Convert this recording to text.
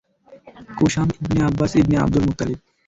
কুসাম ibn Abbas ibn Abdul Muttalib.